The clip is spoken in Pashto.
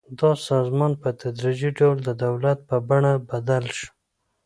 دا سازمان په تدریجي ډول د دولت په بڼه بدل شو.